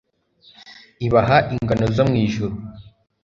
ibaha ingano zo mu ijuru